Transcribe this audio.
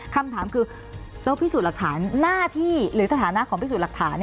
คำถามคือแล้วพิสูจน์หลักฐานหน้าที่หรือสถานะของพิสูจน์หลักฐาน